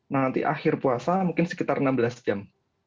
nanti akhir puasa mungkin sekitar enam belas jam